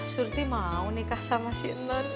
surti mau nikah sama si enler